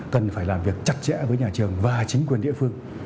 cần phải làm việc chặt chẽ với nhà trường và chính quyền địa phương